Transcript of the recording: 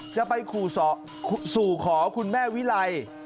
จะไปสู่ขอคุณแม่วิไล